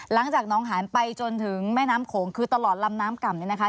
หลังจากน้องหานไปจนถึงแม่น้ำโขงคือตลอดลำน้ำก่ำเนี่ยนะคะ